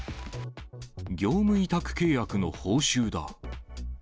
業務委託契約の報酬だ。